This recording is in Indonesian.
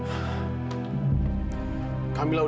kamila sudah berhenti